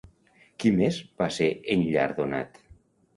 Qui més va ser enllardonat?